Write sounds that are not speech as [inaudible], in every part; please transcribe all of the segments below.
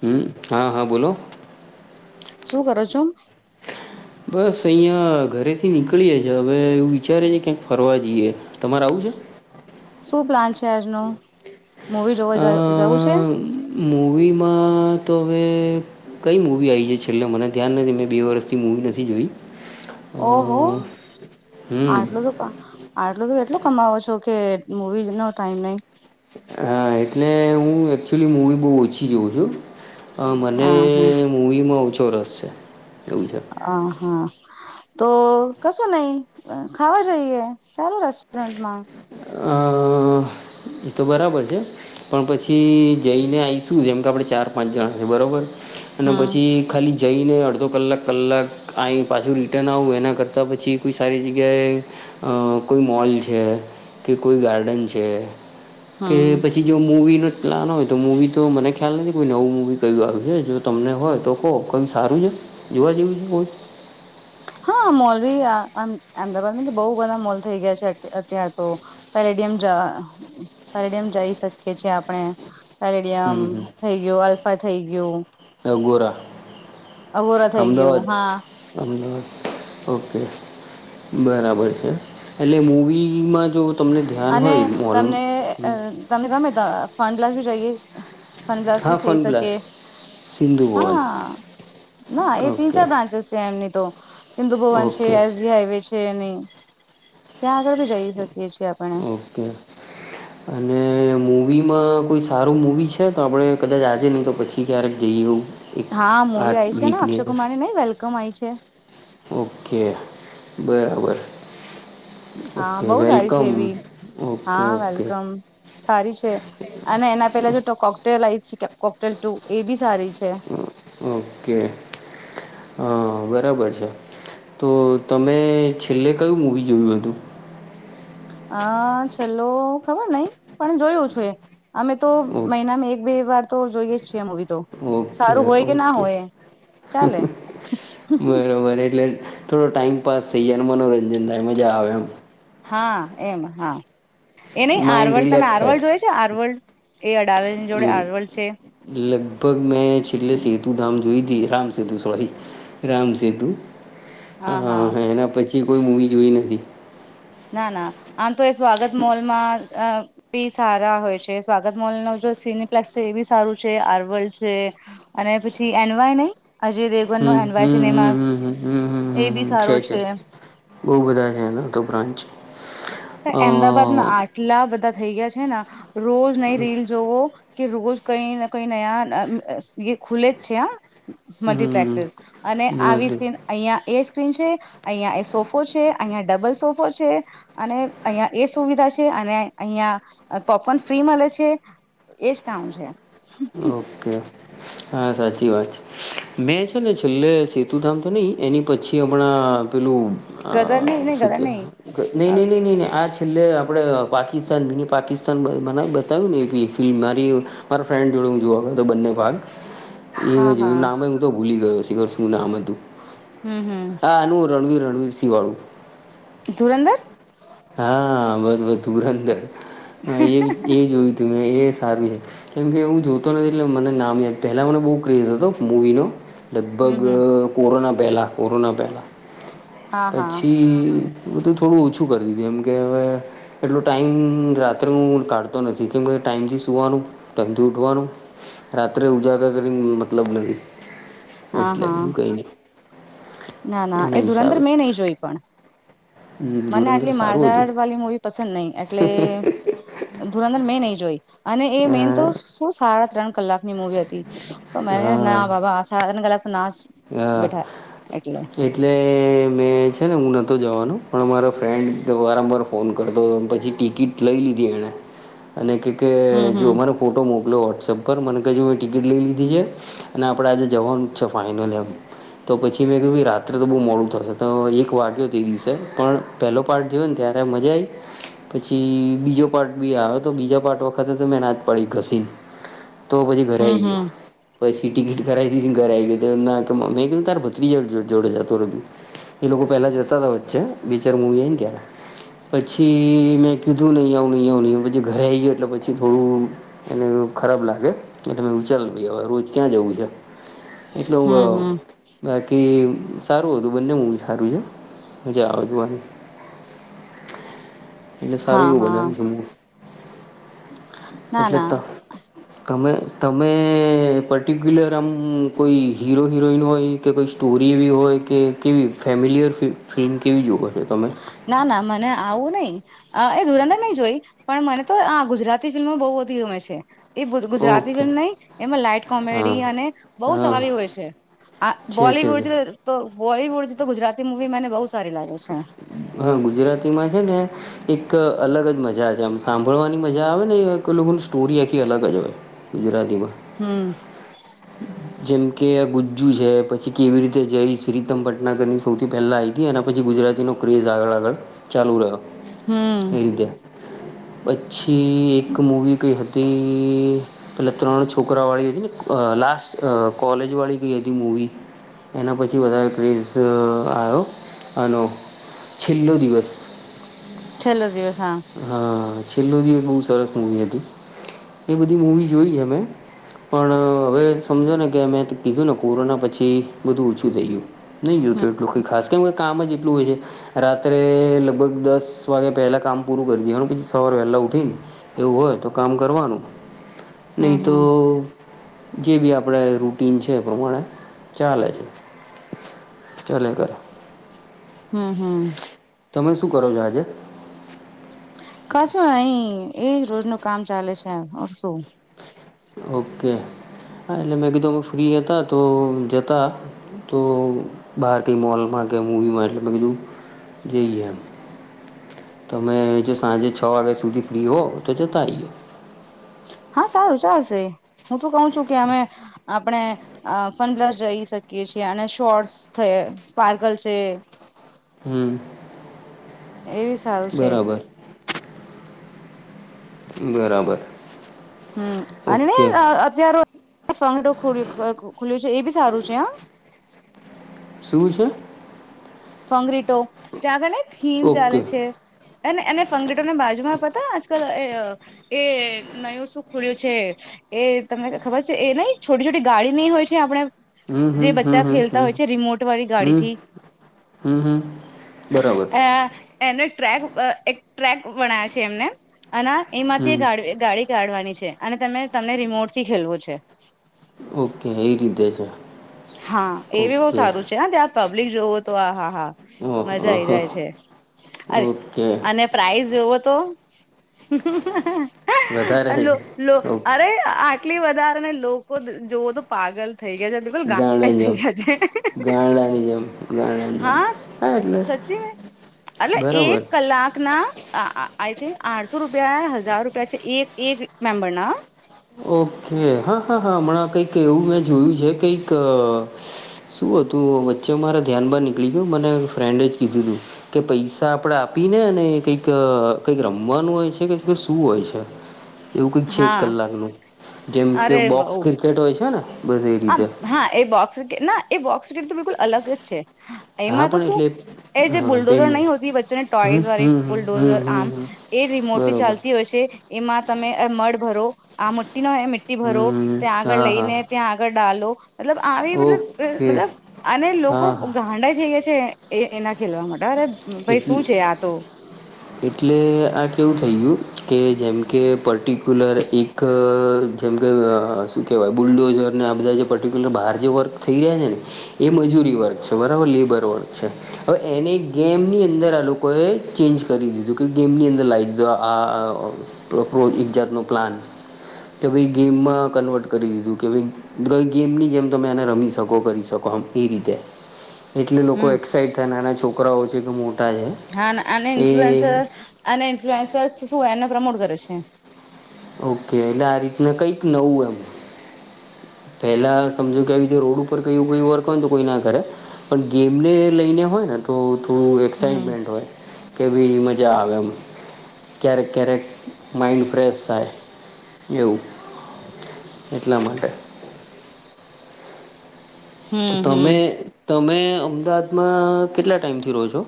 હમ હા હા બોલો શું કરો છો. બસ અહિયાં ઘરેથી નીકળીએ છે, હવે એવું વિચારે છે, ક્યાંક ફરવા જઈએ. તમારે આવું છે. શું પ્લાન છે, [unintelligible] જોવા અ જવું છે. મૂવીમાં તો હવે કઈ મૂવી આવી છે, છેલ્લે મને ધ્યાન નથી મેં બે વર્ષથી મૂવી નથી જોઈ. અ ઓહો હમ. આટલું તું આટલું તું એટલું કમાવો છો કે મુવીઝ નો ટાઈમ નહી. હા એટલે હું એકચુલી મૂવી બહુ ઓછી જોઉં છું. બીજું મને હા હા મૂવીમાં ઓછો રસ છે. એવું છે. અ હા. તો કશું નહી ખાવા જઈએ ચાલો રેસ્ટોરન્ટમાં. અ એ તો બરાબર છે. પણ પછી જઈને આવીશું જેમ કે આપણે ચાર પાંચ જણા છે, બરોબર. અને હમ પછી ખાલી. જઈને અડધો કલાક કલાક અહીં પાછું રિટર્ન આવું એના કરતાં પછી કોઈ સારી જગ્યાએ. અ કોઈ મોલ છે, કે કોઈ ગાર્ડન છે. કે હમ પછી જો મૂવીનો. પ્લાન હોય તો મૂવી તો મને ખ્યાલ નથી કોઈ નવું મૂવી કયું આવ છે જો તમને હોય તો કહો કંઈ સારું છે જોવ જેવું છે મુવી હા મોલ બી અમદાવાદમાં તો બહ બધા મોલ થઈ ગયા છે અત્યાર તો પેડયમ પરિડમ જઈ શકીએ છેએ આપણે પેરેડિયમ હં હં થઈ ગયું અલ્ફા થઈ ગયું અગોરા [unintelligible] થઈ અમદાવાદ ગયું હા અમદાવાદ ઓકે બરાબર છે. એટલે મૂવી માજો તમને ધ્યાન હોય અને મોલ તમને અ તમને ગમે ત ફન બ્લાસ્ટ ભી જઈએ ફન બ્લાસ ભી હા થઇ ફન બ્લાસ શકે સિંધુ ભવન હા ના એ તીન ઓકે ચાર બ્રાન્ચેસ છે એમની તો સિંધુ ભવન છે ઓકે એસ જી હાઈવે છે અને ઓકે અને મૂવી માં કોઈ સારું મૂવી છે તો આપણે કદાચ આજે નહીં તો પછી ક્યારેક જઈએ એવું એક હા આ મુૂવી આવી છે ને વીકની અક્ષય અંદર કુમાર ની નહ વેલકમ આવી છે ઓકે બરાબર. હા ઓકે બહુ સારી છે વેલકમ એવી ઓકે હા ઓકે. વેલકમ સારી છે, અને એના પેલા જો ટ કોકટેલ આ કોકટેલ ટુ એ બી સારી છે. ઓકે. બરાબર છે, તો તમે છેલ્લે કયું મૂવી જોયું હતું. હા ચલો ખબર નહ પણ જોયું છું એ. અમે તો મહિનામાં એક બે વાર તો જોઈએ જ છીએ મૂવી ઓકે ઓકે સારું હોય કે ના ઓકે. હોય ચાલે બરોબર એટલે થોડો ટાઈમ પાસ થઈ જાય અને મનોરંજન થાય મજા આવે એમ હા એમ હા એ નહી માઇન્ડ આરવલ તમે આરવલ જોય છે આરવલ એ અડાલજની જોડે હમ્મ આરવલ છે લગભગ મેં છેલ્લે સેતુ ધામ જોઈ રામ સતુ સોરી રામ સતુ હા હા એના પછી થી કોઈ મૂવી જોઈ નથી ના ના આમ તો એ સ્વાગત મોલમાં અ બી સારા હોય છે સ્વાગત મોલ નો સિનપ્લેસ છે એ બી સારું છે આર્વલ છે અને પછી એનવાય નહી અજય દેવન હમ ન એડવાય હમ હમ સિનેમાઝ હમ હમ હમ હમ એ હમ બી હમ સારો છે બહુ બધા છે એના તો બ્રાન્ચ અ અમદાવાાદમાં આટલા બધા થઈ ગયા છે રોજ નઈ રીલ જોવ કે રોજ કઈ કઈ ન ખુલે જ છે હ હમ મલ્ટપ્લેક્સસ. અને આવી મળી સ્ક્રીન અહિયાં એ સ્ક્રીન છે અહિયાં એ સોફો છે અહિયાં ડબલ સોફો છે અને અહિયાં એ સુવિધા છે અને અહિયાં પોપન ફ્રી મળે છે એજ કામ છે. [unintelligible] હા સાચી વાત છે મેં છે ને છેલ્લે સેતુધામ તો નહીં એની પછી હમણાં પેલું અ ગદર નહી નહી શું ગદર કે નહી ન ન ન ન ન આ છેલ્લે આપણે પાકિસ્તાન મીની પાકિસ્તાન મને બતાવ્યું ને એ ફિલ્ મારી મારા ફ્રેન્ડ જોડે હું જોવા તો તો બંને ભાગ હા એ હા નામ હું તો ભૂલી ગયો છ શું નામ હતું હમ હમ હાનું રણવીર [unintelligible] બળું ધુરંદર હા બસ બસ ધુરંદર એ એ જોયું તું મેં સારું છે કેમ કે હું જોતો નથી એટલે મને નામ [unintelligible] પહેલા મને બહુ ક્રેઝ હતો મૂવીનો હમ લગભગ હમ કોરોના પહેલાં કોરોના પહેલાં હા હા પછી બધું થોડું ઓછું કરે. મ કે હવે એટલું ટાઈમ રાત્રે હું કાઢતો નથી કેમ કે ટાઈમથી સુવાનું ટાઈમ થી ઉઠવાનું રાત્રે ઉજાગર કરી મતલબ નથી હા એટલે હા બીજુ કઇ ની ના ના એ ધુરંધર મેં નહી જોય પણ મને ધુરંદર આટલી સારું હતું માળ વાલી મવી પસંદ નહીિ એટલે ધુરંધર મેં નહી જોઈ અને એ અ મેન તો શું સાડા ત્રણ કલાકની મુવી હતી તો મે હા ના બાબા હ કલા ના હા બેઠા એટલે મેં છે ને હું નહતો જવાનો પણ મારો ફ્રેન્ડ વારંવાર ફોન કરતો હતો પછી ટિકિટ લઈ લીધી એણે અને કે તે હમ જો હમ મને ફોટો મોક્લ્યો વોટ્સએપ પર મને કહીજો મેં ટિકિટ લઈ લીધી છે અને આપણે આજે જવાનું જ છે ફાઇનલ એમ તો પછી મેં કહ્યું કે રાત્રે તો બહુ મોડું થશે તો એક વાગ્યો તે એ દિવસે પણ પહેલો પાર્ટ જોયો ને ત્યારે તો મજ પછી બીજો પાર્ટ બી આવે તો બીજા પાર્ટ વખતે તો મેં ના જ પડી ઘસી તો પછી ઘરે હમ આવી ગયો હમ પછી સી ટિકિટ કરાવ હતીીને ઘરે આવી ગયો તો એમના મેં કીધું તાર ભત્રી જોડે જતોું એ લોકો પેલા જતા હતા વચ્ચે બેચાર મવી ત [inaudible] પછી મેં કીધું નહી આવું નહી આવું નહીં આવું પછી ઘરે આવી ગયો એટલે પછી થોડું એને બ ખરાબ લાગે એટલે મેં વિચારું બી હવે રોજ ક્યાં જવું છે. એટલું ગ હમ હમ બાકી એ સારું હતું બંને હ સારું છે મજા આવે જોવાની એટલે સારું હા એવું હા બનાયવું છે મુવી ના ના તો તમે તમે પર્ટિક્યુલર આમ કોઈ હીરો હિરોઈન હોય કે કોઈ સ્ટોરી એવી હોય કે કેવી ફેમિલિયર ફિલ્મ કેવી જો હોય ના ના મને આવું નહી એ ધુરાંદર નહી જોય પણ મને તો આ ગુજરાતી ફિલ્મો બહુ બધી ગમે છે એ બધું ગુજરાતી ઓકે ફિલ્મ નહી એમાં લાાઈટ હા કોમેડી અને બહુ હા સારી હોય છે. આ છે છે બોલીવુડ છે તો બોલીવુડ તો ગુજરાતી મુવી મને બહુ સારી લાગે છે હા ગુજરાતીમાં છે ને એક અલગ જ મજા છે આમ સાંભળવાની મજા આવે ને એક લોકોગની સ્ટોરી આખી અલગ જ હોય, ગુજરાતીમાં હમ જેમ કે આ ગુજ્જુ છે પછી કેવી રીતે જઈ શ્રીતમ ભટનાગર ની સૌથી પહેલા આઈ તી અને પછી ગુજરાતીનો ક્રેઝ આગળ આગળ ચાલુ રહ્યો એ હમ રીતે પછી એક મૂવી કઈ હતી પેલા ત્રણ છોકરા વાળી હતી ને લાસ્ટ અહહ કોલેજ વાળી કઈ હતી મૂવી એના પછી વધારે ક્રેઝ આવ્યો અનેનો છેલ્લો દિવસ છેલ્લો દિવસ હા હા છેલ્લી દિવસ એ બહ સરસ મુવી હતી એ બધી મૂવી જોઈ અમે પણ હવે સમજો ને કે મેમે કીધું ને કોરોના પછી બધું ઓછું થઈયું ન ય હમ તો્યટ ખાસ કરી કામ જ એટલું હોય છે રાત્રે લગભગ દસ વાગે પહેલાં કામ પૂરું કરી દેવા પછી સવારે વહેલાં ઉઠીને એવું હોય તો કામ કરવાનું નહી હમ તો હમ જે બી આપણે રૂટન છે એ પ્રમાણે ચાલે છે ચલે ઘરો હમ હમ [inaudible] તમે શું કરો છો આજે કશું નહી એજ રોજનું કામ ચાલે છે શું. ઓકે હા એટલે મે એકદમ ફ્રી હતા તો જતા તો બહાર કંઈ મોલમાં કે મૂવીમાં એટલે મેં કીધું જે એમ તમે જો સાંજે છ વાગ્યા સુધી ફ્રી હોવ તો જતા આઈઓ હા સારું ચાલશે હું તો કઉં છું કે અમે આપણે ફનપ્લસ જઈ શકી કે છે, અને શોર્ટસ છે સ્પાર્કલ છે. હમ એવી સારું છે. બરાબર બરાબર હમ્મ અનેને ઓકે અત્તયારે ફો ખુલ્યું છે, એ બી સારું છે, હ શું છે? ફંગરીટો ત્યાં આગળ ને થીમ ચાલે ઓકે છે. અને એને ફંગેટોને બાજુમા, પતા આજકાલ એ એ નયુ શું ખુડ્યુ છે. એ તમને ખબર છે, એ નહ છોટી છોટી ગાડી નહી હોય છે, આપણે હમ જે હમ હમ બચ્ચા હમ ખેલતા હમ હોય છે. રિમોટ વાળી ગાડી હમ થી. હમ, હમ બરાબર ને ટ્રેક એક ટ્રેક વનાયા છે, એમને અને એમાંથી હમ ગાડ ગાડી કાઢવાની છે. અને તમે તમને રિમોટ થી ખેલવો છે. ઓકે એ રીતેે છે. હા એ બી બઉ ઓકે સારું છે ત્યાં પબ્લિક જોવો તો આ હા, હા ઓહ મજા આઈ ઓહ જાય ઓહ. છે. અરે ઓકે અને પ્રઇઝ જોવો તો વધારે લો લો ઓકે અરે આ એટલી વધારે ને લોકો જોવો તો પાગલ થઈ ગયા છે બિલકુલ ગાંડા ગાંડાની જેમ અચ્છા અછ ગાંડાની જેમ ગાંડાની જેમ હા હા એટલે સચી મે અલ એક બરાબર કલાક આઈ થિંક આઠસો રૂપયા હજાર રૂપિયા એક મેમબર ના ઓકે હા હા હા હમણાં કંઈક એવું મેં જોયું છે કઈક શું હતુ, વચ્ચે મારા ધ્યાન બાર નીકળી ગયું મને ફ્રેન્ડે જ કીધું તુ કે પૈસા આપડે આપી ને કઈક કઈક રમવાનું હોય છે, કે, શું? હોય છે. એવું કંઈક છે, એક હા કલાક નું જેમ કે બોક્સ ક્રિકેટ હોય છેને આમ હા, એ બોક્સ વ્રિકેટ ના એ બોક્સ વ્રિકેટ તો બિલકુલ અલગ જ છે. હા એમા, તો પણ શું એટલે એ જે હા બુલડોઝર નહી, પેમેન્ટ હોતી વચ્ચેને હમ ટોઈઝ વાળી હમ હમ હમ બુલડોઝર હમ આમ હમ એ રિમોટથી બરોબર ચાલતી હોય, છે. એમાં તમે મળ ભરો આ મટ્ટી, ન મી્ટી ભરો હમ ત્યાં હા આગળ હા લઈને ત્યા આલો મતલબ આવી મતલબ ઓકે મતલબ અને લોકો હા હા ગાંડા જેવા છે. એ એના ખેલવા માટે અરે ભાઈ એટ શું છે આ તો એટલે આ કેવુ કહું કે, જેમકે પર્ટિક્યુલર એક જેમ કે શું કહેવાય બુલડોઝરને આ બધા જે પર્ટિક્યુલર બહાર જે વર્ક થઈ રહ્યા છેને, એમ મજૂરી વર્ક છે, બરાબર લેબર વર્ક છે. હવે એની ગેમની અંદર આ લોકોએ ચેન્જ કરી દીધું કે ગેમની અંદર લાવ દીધું આ આપો ઇજ્જાતનો પ્લાન કે ભઈ ગેમમા કન્વર્ટ કરી દીધુ, કે ભઈ ગેમની જેમ તમે એને રમી શકો કરી શકો એ રીતે એટલે લોકો હમ એક્સાઈટ થાય નાના છોકરાઓ છે, કે મો હા, અને ઇન્ફલન્સ અને ઇન્ફ્લુએન્સર શું એને પ્રમોટ કરે છે. ઓકે એટલે આ રીતને કંઈક નવું એમ. પેલા સમજો કે આવી રીતે રોડ ઉપર કયુ, વર્ક તો કોઈ ના કરે પણ ગેમને લઈને હોય, ને તો થોડું હમ એક્સાાઈટમેન્ટ હોય કે ભી મજા આવે એમ ક્યારેક ક્યારેક માઈન્ડ ફ્રેશ થાય એવું એટલા માટે તો હમ તમે હમ તમે અમદાવાદમાં કેટલા ટાઈમથી રહોજો.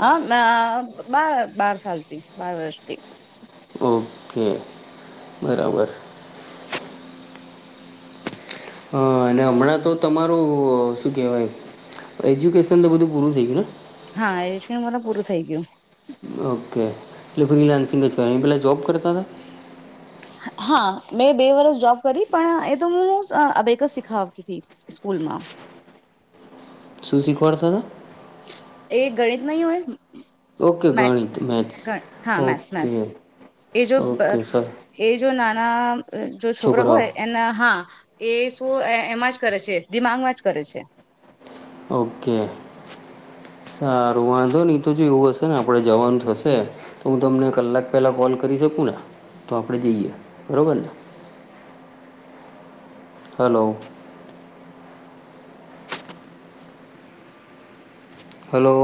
હા બાર બાર સાલથી બાર વર્ષથી, ઓકે બરાબર. હ અને હમણાં તો તમારું શું કેહેવાય એજ્યુકેશન તો બધું પૂરું થઈ ગયું ને હા એજ કે મારા પૂરું થઈ ગયું ઓકે એટલે ફ્રીલાન્સિંગ જ કર એ પેલા જોબ કરતા હતા હા મેં બે વર્ષ જોબ કરી પણ એ તો હુંબેક જ શીખાતીતી ના સુશી કોર દા હતા એ ગણિત નહિ હોય? ઓકે ગણિત મેથ્સ હા ઓકે [unintelligible] એ જો ઓકે સર એ જો નાના જો છોકરા છોકરાઓ હોય એના હા એ શું એમાં જ કરે છે દિમાગમાં જ કરે છે. ઓકે સારું વાંધો નહી તો જો એવું હશે ને આપણે જવાનું થશે તો હું તમને કલાક પહેલાં કોલ કરી શકું તો આપણે જઈએ બબર ને. Hello hello